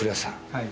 はい。